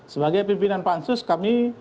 sebagai pimpinan pansus kami